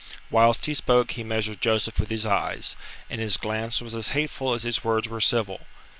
Whilst he spoke he measured Joseph with his eyes, and his glance was as hateful as his words were civil.